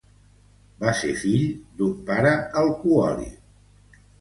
Va ser fill d'un pare alcohòlic.